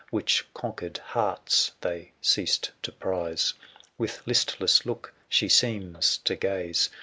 Which conquered hearts they ceased to prize; j 160 With listless look she seems to gaze